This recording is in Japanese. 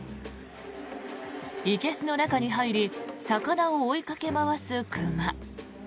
いけすの中に入り魚を追いかけ回す熊。